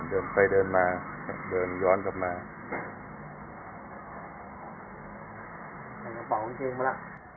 เดินไปเดินมาเดินย้อนกลับมา